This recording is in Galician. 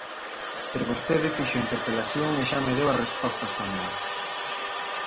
Pero vostede fixo a interpelación e xa me deu as respostas tamén.